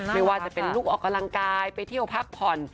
ไม่ว่าจะเป็นลูกออกกำลังกายไปเที่ยวพักผ่อน